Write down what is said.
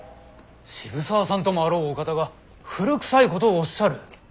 渋沢さんともあろうお方が古くさいことをおっしゃる。